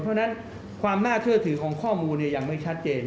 เพราะฉะนั้นความน่าเชื่อถือของข้อมูลยังไม่ชัดเจน